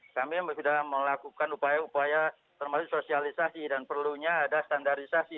kami sudah melakukan upaya upaya termasuk sosialisasi dan perlunya ada standarisasi